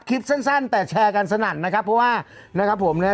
คลิปสั้นแต่แชร์กันสนั่นนะครับเพราะว่านะครับผมเนี่ย